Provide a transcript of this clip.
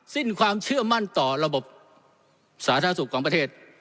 สิ้นความเชื่อมั่นต่อระบบสาธารณสุขของประเทศ